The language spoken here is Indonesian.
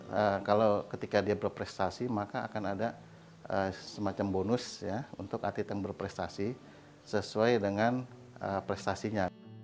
nah kalau ketika dia berprestasi maka akan ada semacam bonus untuk atlet yang berprestasi sesuai dengan prestasinya